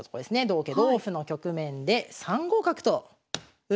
同桂同歩の局面で３五角と打った手。